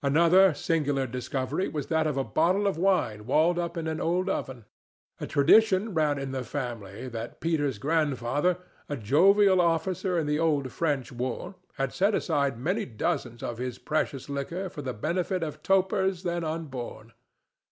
Another singular discovery was that of a bottle of wine walled up in an old oven. A tradition ran in the family that Peter's grandfather, a jovial officer in the old French war, had set aside many dozens of the precious liquor for the benefit of topers then unborn.